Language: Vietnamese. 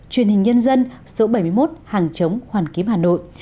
truyền hình nhân dân số bảy mươi một hàng chống hoàn kiếm hà nội